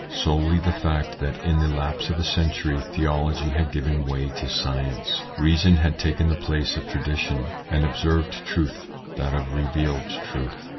Solely the fact that in the lapse of a century theology had given way to science, reason had taken the place of tradition, and observed truth that of revealed truth.